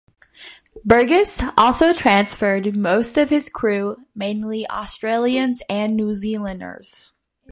Burgess also transferred most of his crew, mainly Australians and New Zealanders.